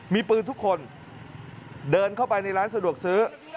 มีปืนทุกคนเดินเข้าไปในร้านสะดวกซื้อ